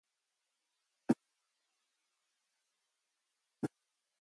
Indicator species were chosen for monitoring to ensure habitat conditions are stable.